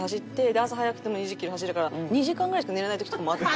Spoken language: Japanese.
で朝早くても２０キロ走るから２時間ぐらいしか寝れない時とかもあって。